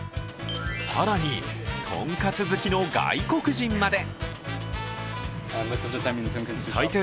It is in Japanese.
更に、豚かつ好きの外国人まで。